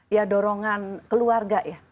ya dorongan keluarga ya